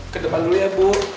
ke depan dulu ya bu